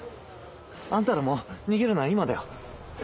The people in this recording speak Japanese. あんたらも逃げるなら今だよ。